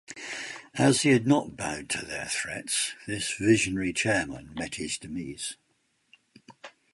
As he had not bowed to their threats, this visionary chairman met his demise.